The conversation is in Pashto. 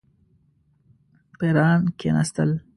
پیران کښېنستل.